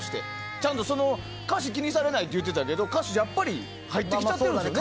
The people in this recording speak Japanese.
ちゃんと歌詞は気にされないって言ってたけど歌詞やっぱり入ってきちゃってるんですよね。